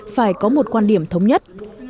phải có một quan điểm thống nhất